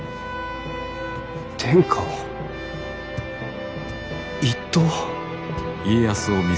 天下を一統？